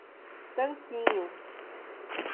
Tanquinho